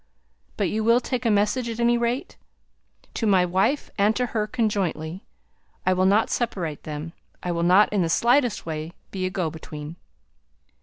"But you will take a message, at any rate?" "To my wife and to her conjointly. I will not separate them. I will not in the slightest way be a go between."